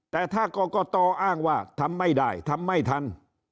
แต่ถ้ากรกตอ้างว่าทำไม่ได้ทำไม่ทัน